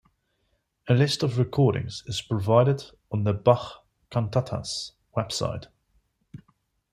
A list of recordings is provided on the Bach Cantatas Website.